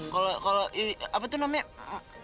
kalau apa tuh namanya